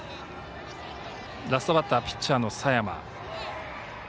ラストバッターピッチャーの佐山。